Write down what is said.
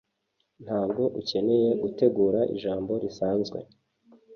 Ntabwo ukeneye gutegura ijambo risanzwe